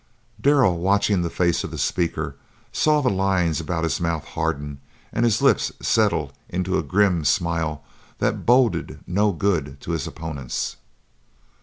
Darrell, watching the face of the speaker, saw the lines about his mouth harden and his lips settle into a grim smile that boded no good to his opponents.